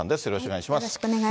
よろしくお願いします。